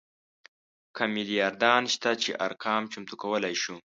کم میلیاردران شته چې ارقام چمتو کولی شو.